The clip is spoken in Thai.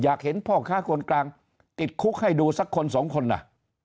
อยากเห็นพ่อค้าคนกลางติดคุกให้ดูสักคนสองคนน่ะ